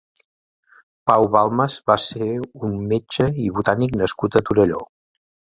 Pau Balmes va ser un metge i botànic nascut a Torelló.